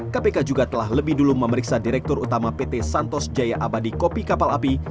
kpk juga telah lebih dulu memeriksa direktur utama pt santos jaya abadi kopi kapal api